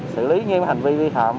xử lý nghiêm hành vi vi phạm